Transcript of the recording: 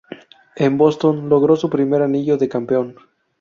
En Boston logró su primer anillo de campeón.